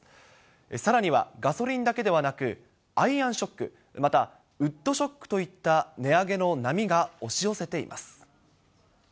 さらには、ガソリンだけではなくアイアンショック、またウッドショックといった値上げの波が押し寄せています。